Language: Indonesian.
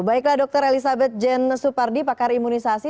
baiklah dr elizabeth jen supardi pakar imunisasi